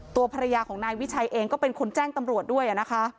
ตัวภรรยาของนายวิชัยเองก็เป็นคนแจ้งตำรวจด้วยนะคะ